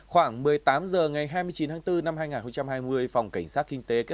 khoảng một mươi tám h ngày hai mươi chín tháng bốn năm hai nghìn hai mươi phòng cảnh sát kinh tế